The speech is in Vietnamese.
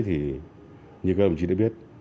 thì như các đồng chí đã biết